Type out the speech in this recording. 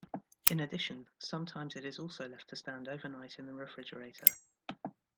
In addition, sometimes it is also left to stand overnight in the refrigerator.